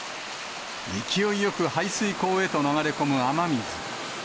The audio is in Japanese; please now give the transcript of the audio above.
勢いよく排水溝へと流れ込む雨水。